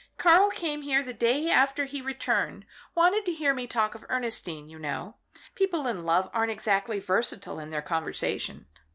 Karl came here the day after he returned wanted to hear me talk of Ernestine, you know. People in love aren't exactly versatile in their conversation.